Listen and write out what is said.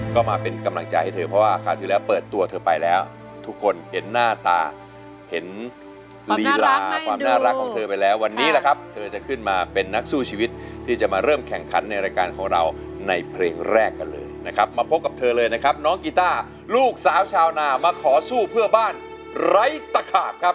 ก็มาเป็นกำลังใจให้เธอเพราะว่าคราวที่แล้วเปิดตัวเธอไปแล้วทุกคนเห็นหน้าตาเห็นลีลาความน่ารักของเธอไปแล้ววันนี้แหละครับเธอจะขึ้นมาเป็นนักสู้ชีวิตที่จะมาเริ่มแข่งขันในรายการของเราในเพลงแรกกันเลยนะครับมาพบกับเธอเลยนะครับน้องกีต้าลูกสาวชาวนามาขอสู้เพื่อบ้านไร้ตะขาบครับ